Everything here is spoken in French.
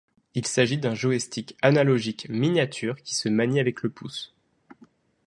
Il s'agit d'un joystick analogique miniature qui se manie avec le pouce.